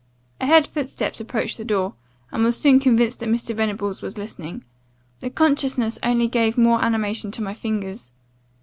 I heard footsteps approach the door, and was soon convinced that Mr. Venables was listening; the consciousness only gave more animation to my fingers.